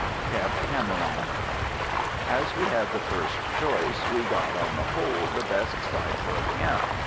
CAMP CAMERON. As we had the first choice, we got, on the whole, the best site for a camp.